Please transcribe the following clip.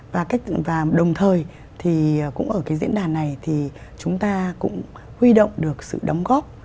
và đồng thời thì cũng ở cái diễn đàn này thì chúng ta cũng huy động được sự đóng góp